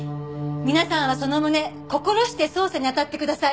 皆さんはその旨心して捜査にあたってください。